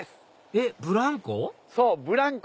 えっブランコ？